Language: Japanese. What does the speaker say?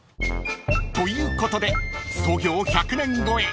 ［ということで創業１００年超え］